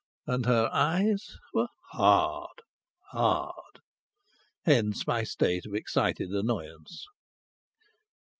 And her eyes were hard hard. Hence my state of excited annoyance.